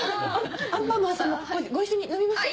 アンパンマンさんもご一緒に飲みましょう。